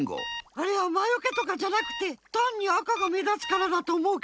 あれはまよけとかじゃなくてたんに赤がめだつからだとおもうけど。